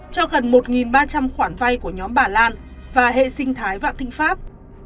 cho gần một ba trăm linh khoản vay của nhóm bà lan và hệ sinh thái vạn thịnh pháp